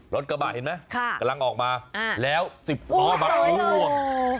รถกระบะเห็นมั้ยกำลังออกมาแล้วสิบล้อมานั่ง